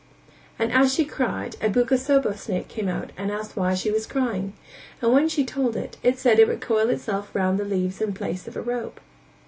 and as she cried a buka sobo snake came out and asked why she was crying, and when she told it, it said that it would coil itself round the leaves in place of a rope.